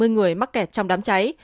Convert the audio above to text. bảy mươi người mắc kẹt trong đám cháy